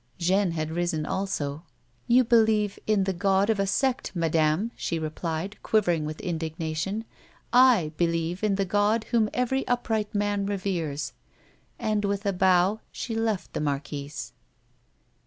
Jeanne had risen also. " You believe in the God of a sect, madame," she replied, quivering with indignation. / believe in the God Whom every iipright man reveres," and, with a bow, she left the marquise.